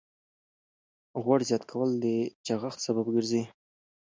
غوړ زیات کول د چاغښت سبب ګرځي.